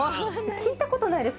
聞いたことないです。